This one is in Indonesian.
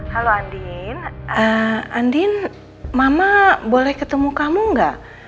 halo andien andien mama boleh ketemu kamu nggak